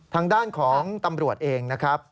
ทางด้านของตำรวจเองนะครับ